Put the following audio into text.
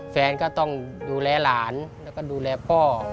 แฟนก็ต้องดูแลหลานแล้วก็ดูแลพ่อ